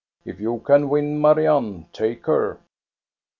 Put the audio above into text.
If you can win Marianne, take her."